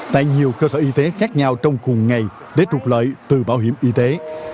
tại nhiều cơ sở y tế khác nhau trong cùng ngày để trục lợi từ bảo hiểm y tế